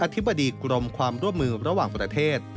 ธิบดีกรมความร่วมมือระหว่างประเทศ